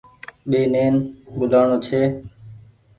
ٻينين ٻولآڻو ڇي